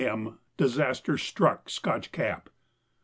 m., disaster struck Scotch Cap.